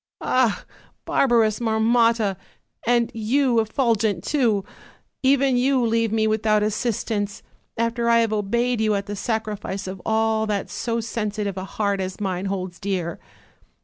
Ah! barbarous Marmotta! and you, Effulgent too! even you leave me without as sistance, after I have obeyed you at the sacrifice of all that so sensitive a heart as mine holds dear."